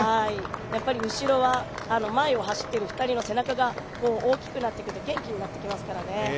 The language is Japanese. やっぱり後ろは前を走っている２人の背中が大きくなってくると元気になってきますからね。